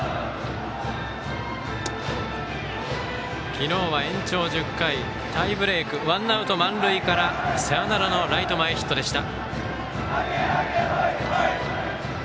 昨日は延長１０回タイブレークワンアウト、満塁からサヨナラのライト前ヒットでした。